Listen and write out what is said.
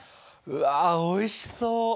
うわおいしそう！